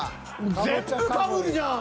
全部かぶるじゃん！